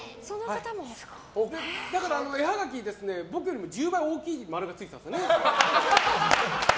だから絵はがきに僕より１０倍大きい丸がついてたんですね。